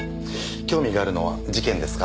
興味があるのは事件ですか？